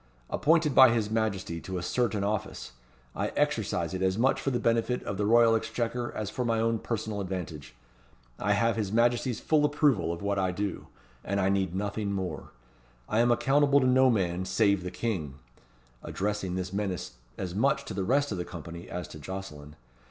Appointed by his Majesty to a certain office, I exercise it as much for the benefit of the Royal Exchequer, as for my own personal advantage. I have his Majesty's full approval of what I do, and I need nothing more. I am accountable to no man save the King," addressing this menace as much to the rest of the company as to Jocelyn.